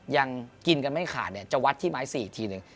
ยังกินกันไม่ขาดเนี่ยจะวัดที่ไม้๔อีกทีหนึ่ง